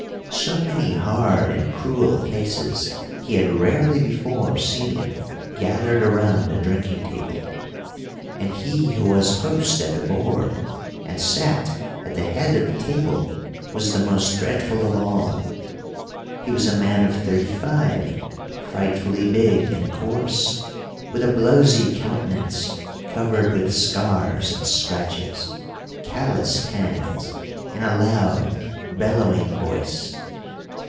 So many hard and cruel faces he had rarely before seen gathered around a drinking table. And he who was host at the board and sat at the head of the table was the most dreadful of all. He was a man of thirty five, frightfully big and coarse, with a blowsy countenance covered with scars and scratches, calloused hands, and a loud, bellowing voice."